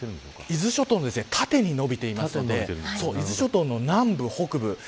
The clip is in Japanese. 伊豆諸島に縦に延びているので伊豆諸島の南部、北部。